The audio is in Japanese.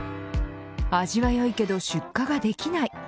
味は良いけど出荷ができない。